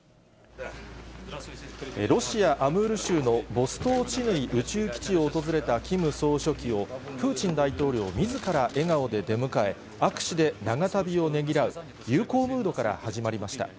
ロシア・アムール州のボストーチヌイ宇宙基地を訪れたキム総書記を、プーチン大統領みずから笑顔で出迎え、握手で長旅をねぎらう友好ムードから始まりました。